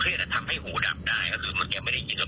เพราะเขามารับคือเขามันขาดเวลากันแล้ว